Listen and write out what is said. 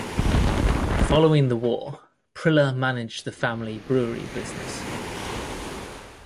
Following the war, Priller managed the family brewery business.